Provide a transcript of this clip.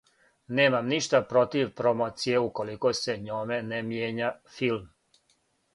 Немам ништа против промоције уколико се њоме не мијења филм.